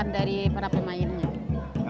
itu percaya dari para pemainnya